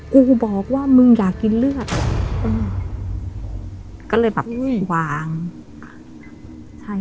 กูบอกว่ามึงอยากกินเลือดอืมก็เลยแบบอุ้ยวางใช่